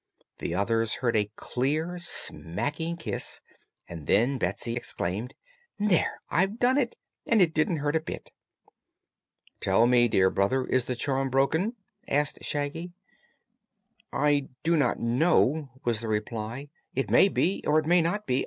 The others heard a clear, smacking kiss, and then Betsy exclaimed: "There! I've done it, and it didn't hurt a bit!" "Tell me, dear brother; is the charm broken?" asked Shaggy. "I do not know," was the reply. "It may be, or it may not be.